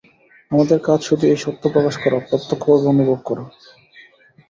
আমাদের কাজ শুধু এই সত্য প্রকাশ করা, প্রত্যক্ষভাবে অনুভব করা।